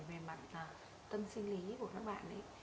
về mặt tâm sinh lý của các bạn